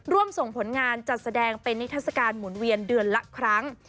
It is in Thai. ร่วมส่งผลงานจัดแสดงเป็นนิทัศกาลหมุนเวียนเดือนละครั้ง